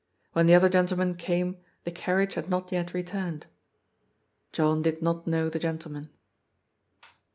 When the other gen tleman came the carriage had not yet returned. John did not know the gentleman.